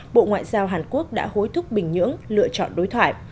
bộ ngoại giao hàn quốc đã hối thúc bình nhưỡng lựa chọn đối thoại